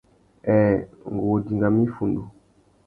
Nhêê... ngu wô dingamú iffundu.